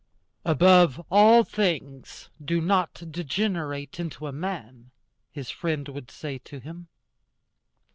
"Above all things, do not degenerate into a man," his friend would say to him.